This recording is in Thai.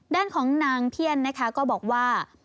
ด้านของนางเทียนนะคะก็บอกว่า